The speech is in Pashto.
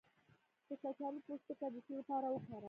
د کچالو پوستکی د څه لپاره وکاروم؟